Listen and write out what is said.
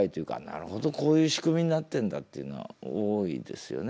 なるほどこういう仕組みになってんだっていうのは多いですよね。